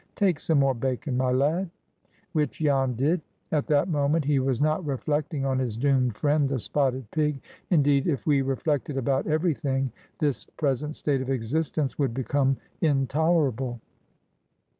Take some more bacon, my lad." Which Jan did. At that moment he was not reflecting on his doomed friend, the spotted pig. Indeed, if we reflected about every thing, this present state of existence would become intolerable.